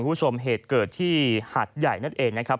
คุณผู้ชมเหตุเกิดที่หาดใหญ่นั่นเองนะครับ